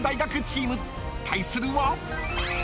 ［対するは］